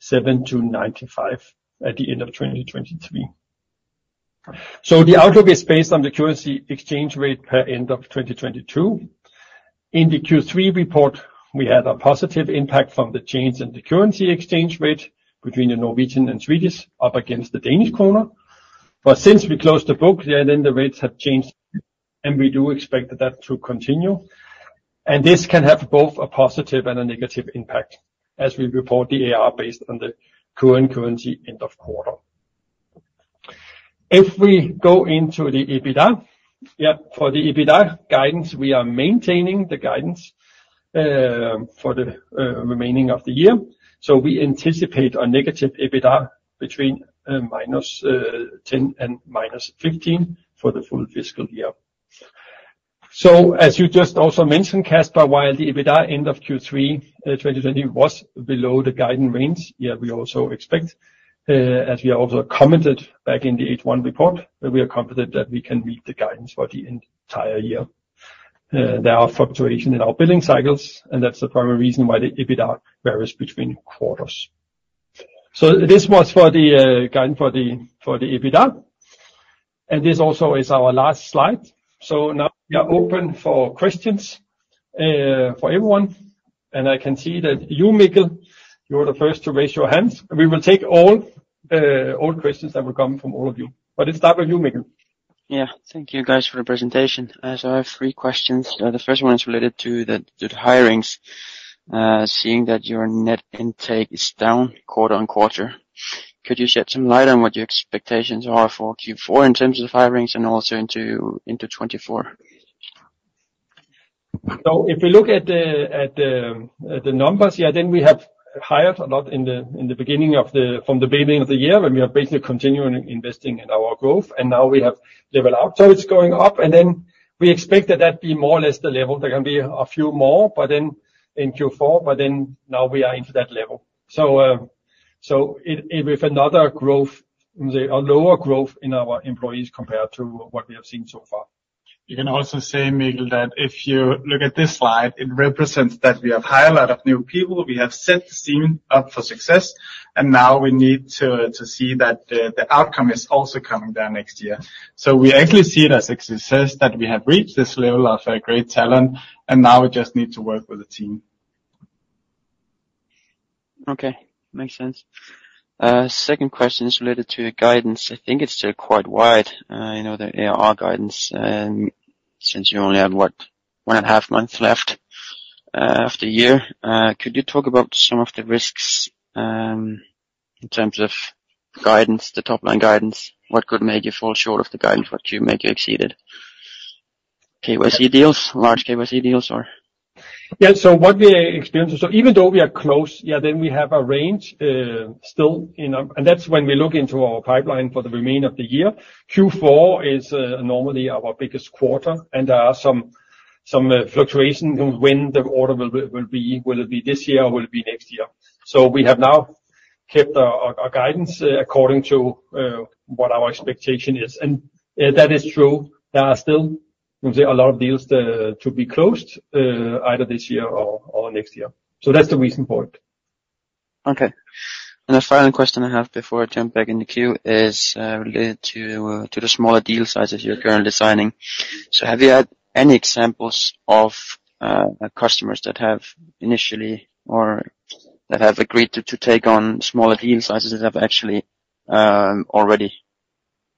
7-95 at the end of 2023. The outlook is based on the currency exchange rate per end of 2022. In the Q3 report, we had a positive impact from the change in the currency exchange rate between the Norwegian and Swedish up against the Danish krone. But since we closed the book, then the rates have changed, and we do expect that to continue. And this can have both a positive and a negative impact, as we report the ARR based on the current currency end of quarter. If we go into the EBITDA, for the EBITDA guidance, we are maintaining the guidance for the remaining of the year. We anticipate a negative EBITDA between -10 and -15 for the full fiscal year. So as you just also mentioned, Casper, while the EBITDA end of Q3 2023 was below the guidance range, yet we also expect, as we also commented back in the H1 report, that we are confident that we can meet the guidance for the entire year. There are fluctuation in our billing cycles, and that's the primary reason why the EBITDA varies between quarters. So this was for the, guidance for the, for the EBITDA, and this also is our last slide. So now we are open for questions, for everyone. And I can see that you, Mikkel, you are the first to raise your hands. We will take all, all questions that will come from all of you. But let's start with you, Mikkel. Yeah. Thank you, guys, for the presentation. So I have three questions. The first one is related to the, the hirings. Seeing that your net intake is down quarter-on-quarter, could you shed some light on what your expectations are for Q4 in terms of hirings and also into, into 2024? So if you look at the numbers, yeah, then we have hired a lot in the beginning of the—from the beginning of the year, when we are basically continuing investing in our growth, and now we have level outwards going up, and then we expect that be more or less the level. There can be a few more, but then in Q4, but then now we are into that level. So, so it, with another growth, the lower growth in our employees compared to what we have seen so far. You can also say, Mikkel, that if you look at this slide, it represents that we have hired a lot of new people. We have set the team up for success, and now we need to see that the outcome is also coming down next year. So we actually see it as a success that we have reached this level of great talent, and now we just need to work with the team. Okay, makes sense. Second question is related to the guidance. I think it's still quite wide, you know, the ARR guidance, since you only have, what, one and a half months left, of the year. Could you talk about some of the risks, in terms of guidance, the top-line guidance? What could make you fall short of the guidance, what would make you exceed it? KYC deals, large KYC deals, or? Yeah, so what we experienced, so even though we are close, yeah, then we have a range still in our. That's when we look into our pipeline for the remainder of the year. Q4 is normally our biggest quarter, and there are some fluctuation in when the order will be. Will it be this year or will it be next year? So we have now kept our guidance according to what our expectation is. And that is true. There are still, say, a lot of deals to be closed either this year or next year. So that's the reason for it. Okay. And the final question I have before I jump back in the queue is related to the smaller deal sizes you're currently signing. So have you had any examples of customers that have initially or that have agreed to take on smaller deal sizes have actually already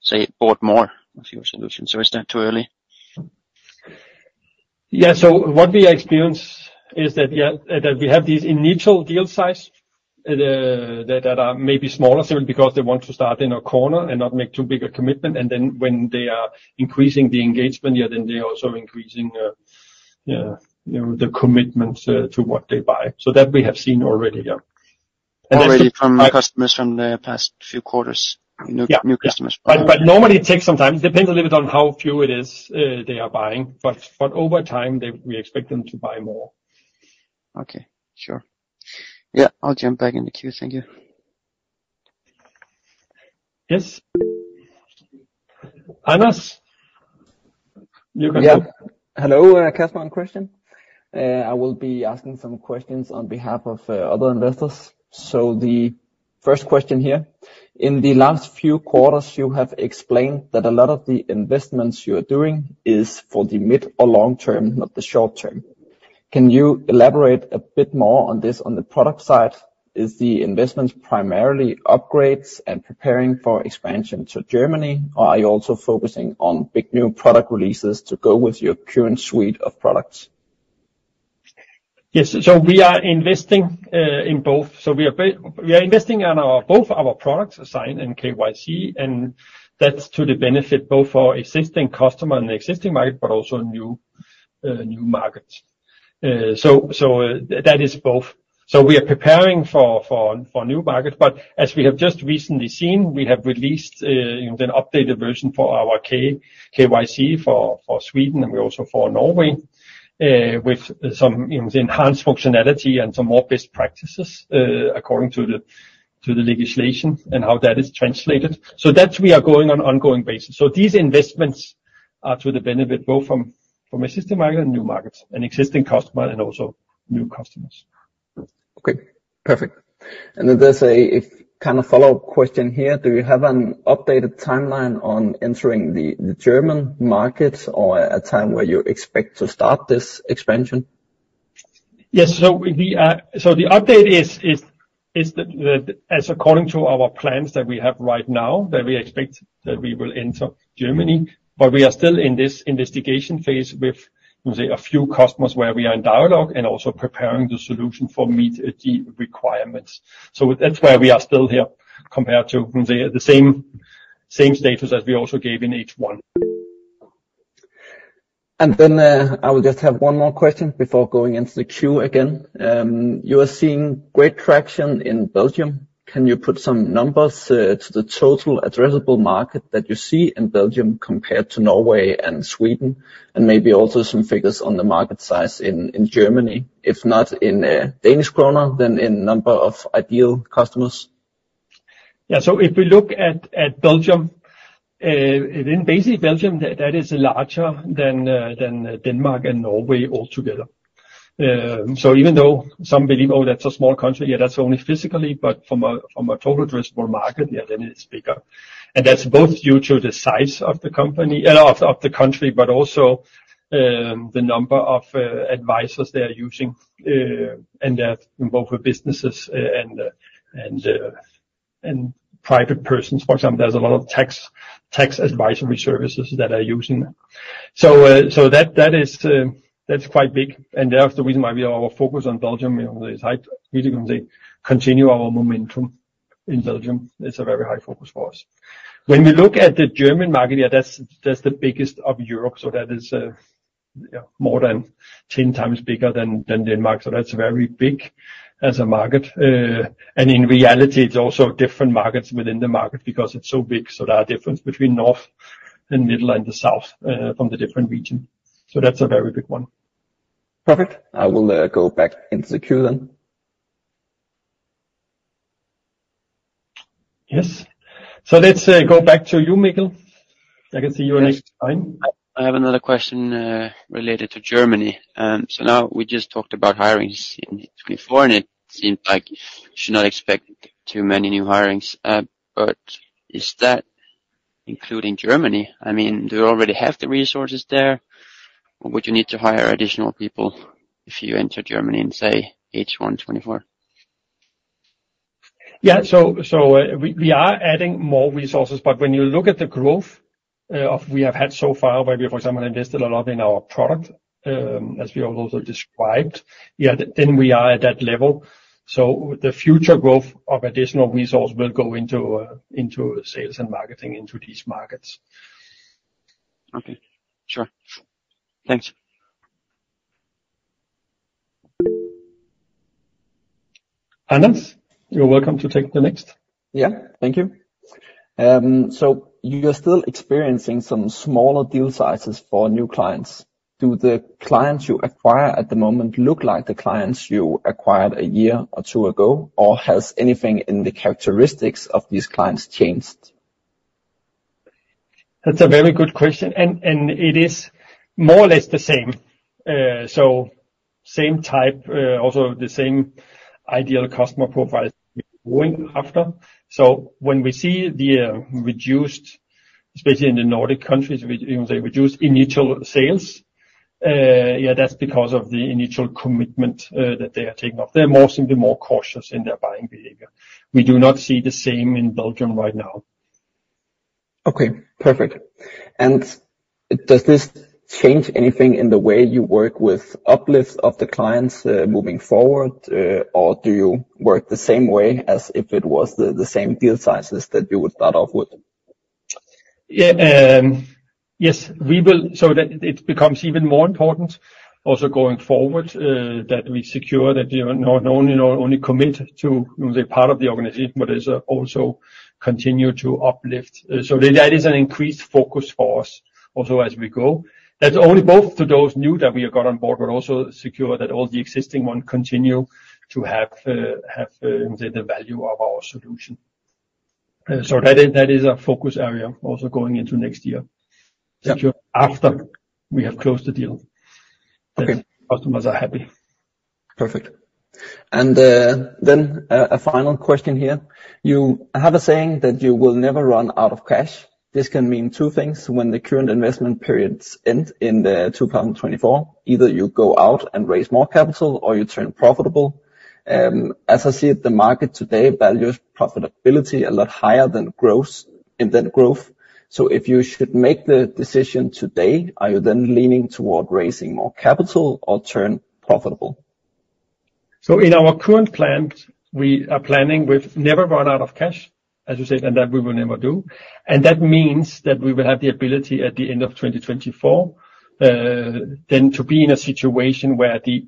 say bought more of your solutions, or is that too early? Yeah. So what we experience is that, yeah, that we have these initial deal size that are maybe smaller, so because they want to start in a corner and not make too big a commitment, and then when they are increasing the engagement, yeah, then they're also increasing, you know, the commitment to what they buy. So that we have seen already, yeah. Already from customers from the past few quarters- Yeah. New, new customers. Normally it takes some time. It depends a little bit on how few it is they are buying, but over time, we expect them to buy more. Okay, sure. Yeah, I'll jump back in the queue. Thank you. Yes. Anas, you can- Yeah. Hello, Can I ask, one question. I will be asking some questions on behalf of other investors. So the first question here: In the last few quarters, you have explained that a lot of the investments you are doing is for the mid or long term, not the short term. Can you elaborate a bit more on this on the product side? Is the investment primarily upgrades and preparing for expansion to Germany, or are you also focusing on big new product releases to go with your current suite of products? Yes, so we are investing in both. So we are investing in our both our products, Sign and KYC, and that's to the benefit both our existing customer and existing market, but also new new markets. So that is both. So we are preparing for new markets, but as we have just recently seen, we have released, you know, an updated version for our KYC for Sweden and we also for Norway with some, you know, enhanced functionality and some more best practices according to the legislation and how that is translated. So that we are going on ongoing basis. So these investments are to the benefit, both from existing market and new markets, and existing customers, and also new customers. Okay, perfect. And then there's a kind of follow-up question here: Do you have an updated timeline on entering the German market or a time where you expect to start this expansion? Yes. So the update is that as according to our plans that we have right now, that we expect that we will enter Germany, but we are still in this investigation phase with, say, a few customers where we are in dialogue and also preparing the solution for meet the requirements. So that's where we are still here, compared to the same status as we also gave in H1. Then, I will just have one more question before going into the queue again. You are seeing great traction in Belgium. Can you put some numbers to the total addressable market that you see in Belgium compared to Norway and Sweden? And maybe also some figures on the market size in Germany, if not in Danish krone, then in number of ideal customers. Yeah, so if we look at Belgium, then basically Belgium, that is larger than Denmark and Norway altogether. So even though some believe, "Oh, that's a small country," yeah, that's only physically, but from a total addressable market, yeah, then it's bigger. And that's both due to the size of the country, but also the number of advisors they are using, and that both for businesses and private persons, for example, there's a lot of tax advisory services that are using. So that is, that's quite big, and that's the reason why we are focus on Belgium, you know, is high. We can continue our momentum in Belgium. It's a very high focus for us. When we look at the German market, yeah, that's, that's the biggest of Europe, so that is, more than 10 times bigger than, than Denmark. So that's very big as a market. And in reality, it's also different markets within the market because it's so big, so there are difference between north and middle and the south, from the different region. So that's a very big one. Perfect. I will go back into the queue then. Yes. So let's go back to you, Mikkel. I can see you're next in line. I have another question, related to Germany. So now we just talked about hirings in before, and it seemed like you should not expect too many new hirings. But is that including Germany? I mean, do you already have the resources there, or would you need to hire additional people if you enter Germany in, say, H1 2024? Yeah, so we are adding more resources, but when you look at the growth we have had so far, where we, for example, invested a lot in our product, as we have also described, yeah, then we are at that level. So the future growth of additional resource will go into sales and marketing into these markets. Okay. Sure. Thanks. Anas, you're welcome to take the next. Yeah, thank you. So you are still experiencing some smaller deal sizes for new clients. Do the clients you acquire at the moment look like the clients you acquired a year or two ago, or has anything in the characteristics of these clients changed? That's a very good question, and it is more or less the same. So same type, also the same ideal customer profile we're going after. So when we see the reduced, especially in the Nordic countries, they reduce initial sales, yeah, that's because of the initial commitment that they are taking up. They're more simply more cautious in their buying behavior. We do not see the same in Belgium right now. Okay, perfect. And does this change anything in the way you work with uplift of the clients, moving forward, or do you work the same way as if it was the same deal sizes that you would start off with? Yeah, yes, we will. So that it becomes even more important, also going forward, that we secure that, you know, not only commit to the part of the organization, but is also continue to uplift. So that is an increased focus for us, also as we go. That's only both to those new that we have got on board, but also secure that all the existing one continue to have the value of our solution. So that is our focus area, also going into next year. Yeah. After we have closed the deal- Okay. Customers are happy. Perfect. And, then, a final question here: You have a saying that you will never run out of cash. This can mean two things when the current investment periods end in 2024, either you go out and raise more capital, or you turn profitable. As I see it, the market today values profitability a lot higher than growth, and then growth. So if you should make the decision today, are you then leaning toward raising more capital or turn profitable? So in our current plan, we are planning, we've never run out of cash, as you said, and that we will never do. And that means that we will have the ability at the end of 2024, then to be in a situation where the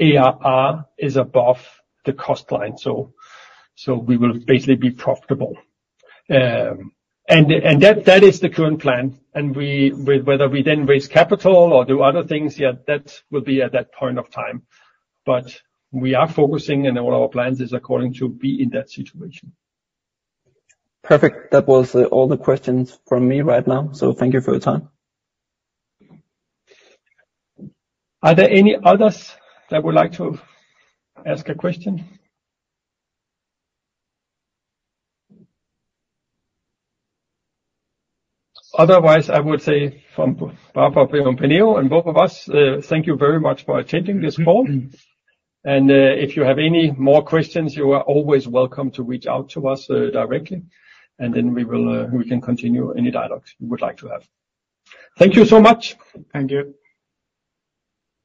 ARR is above the cost line, so, so we will basically be profitable. And, and that, that is the current plan, and we whether we then raise capital or do other things, yeah, that will be at that point of time. But we are focusing and all our plans is according to be in that situation. Perfect. That was all the questions from me right now, so thank you for your time. Are there any others that would like to ask a question? Otherwise, I would say from both Penneo and both of us, thank you very much for attending this call. And, if you have any more questions, you are always welcome to reach out to us directly, and then we will, we can continue any dialogues you would like to have. Thank you so much. Thank you.